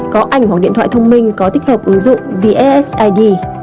có ảnh hoặc điện thoại thông minh có tích hợp ứng dụng vssid